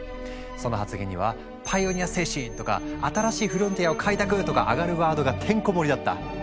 その発言には「パイオニア精神」とか「新しいフロンティアを開拓」とかアガるワードがてんこもりだった。